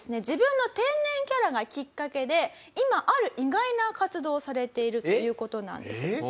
自分の天然キャラがきっかけで今ある意外な活動をされているという事なんです。